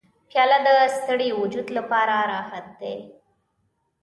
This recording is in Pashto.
پیاله د ستړي وجود لپاره راحت دی.